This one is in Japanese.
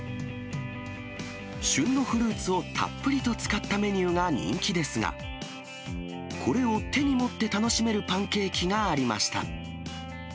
旬のフルーツをたっぷりと使ったメニューが人気ですが、これを手に持って楽しめるパンケーキがありました。